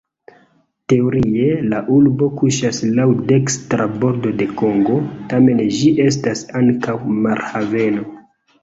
Teorie la urbo kuŝas laŭ dekstra bordo de Kongo, tamen ĝi estas ankaŭ marhaveno.